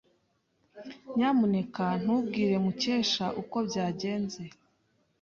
Nyamuneka ntubwire Mukesha uko byagenze.